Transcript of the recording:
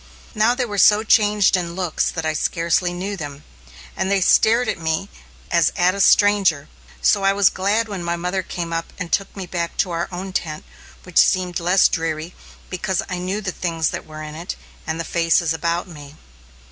Now, they were so changed in looks that I scarcely knew them, and they stared at me as at a stranger. So I was glad when my mother came up and took me back to our own tent, which seemed less dreary because I knew the things that were in it, and the faces about me.